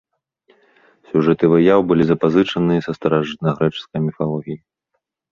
Сюжэты выяў былі запазычаны са старажытнагрэчаскай міфалогіі.